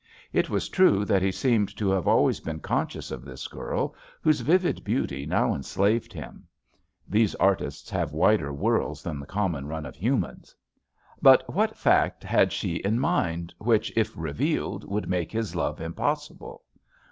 It was true that he seemed to have always been conscious of this girl whose vivid beauty now enslaved him. (These artists have wider worlds than the common run of humans.) But what fact had she in mind which, if revealed, would make his love impossible?